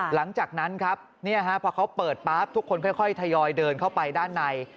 หลังจากนั้นครับพอเขาเปิดปั๊บทุกคนค่อยทยอยเดินเข้าไปด้านใน